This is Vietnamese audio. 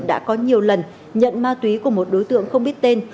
đã có nhiều lần nhận ma túy của một đối tượng không biết tên